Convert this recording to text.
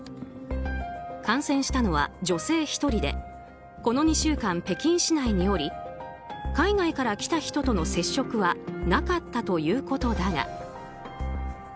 感染したのは女性１人でこの２週間、北京市内におり海外から来た人との接触はなかったということだが。